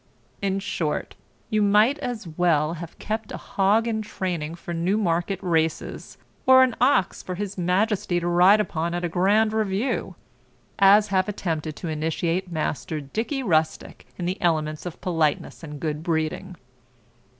In short, you might as well have kept a hog in training for Newmarket races, or an ox for his majesty to ride upon at a grand review, as have attempted to initiate master Dicky Rustick in the elements of politeness and good breeding.